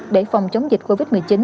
để phòng chống dịch covid một mươi chín